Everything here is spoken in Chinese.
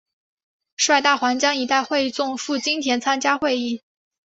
率大湟江一带会众赴金田参加起义。